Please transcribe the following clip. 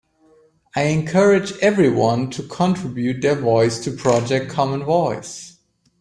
I encourage everyone to contribute their voice to Project Common Voice.